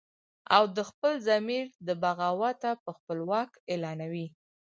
او د خپل ضمیر د بغاوته به خپل واک اعلانوي